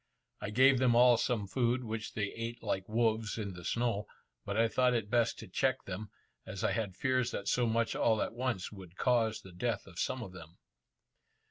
I gave them all some food, which they ate like wolves in the snow, but I thought it best to check them, as I had fears that so much all at once would cause the death of some of them.